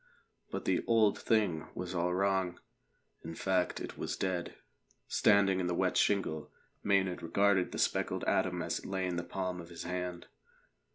But the "old thing" was all wrong. In fact, it was dead. Standing in the wet shingle, Maynard regarded the speckled atom as it lay in the palm of his hand.